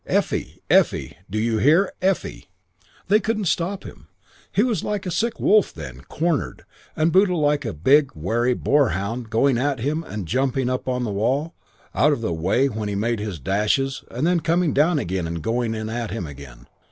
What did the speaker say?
Effie. Effie! Do you hear? Effie!' "They couldn't stop him. He was like a sick wolf then, cornered, and Buddha like a big, wary boarhound going in at him and jumping up on the wall out of the way when he made his dashes and then coming down and going in at him again.